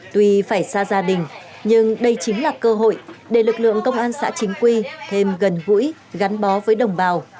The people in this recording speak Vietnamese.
tuy phải xa gia đình nhưng đây chính là cơ hội để lực lượng công an xã chính quy thêm gần gũi gắn bó với đồng bào